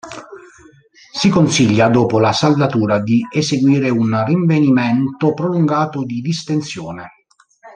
Si consiglia dopo la saldatura di eseguire un rinvenimento prolungato di distensione.